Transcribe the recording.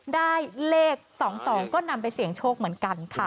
ได้เลข๒๒ก็นำไปเสี่ยงโชคเหมือนกันค่ะ